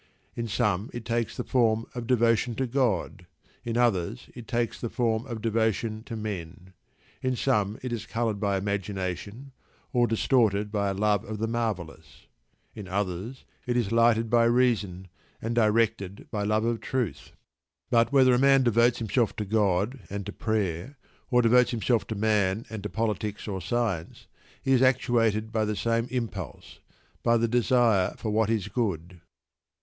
In some it takes the form of devotion to "God," in others it takes the form of devotion to men. In some it is coloured by imagination, or distorted by a love of the marvellous; in others it is lighted by reason, and directed by love of truth. But whether a man devotes himself to God and to prayer, or devotes himself to man and to politics or science, he is actuated by the same impulse by the desire for what is good.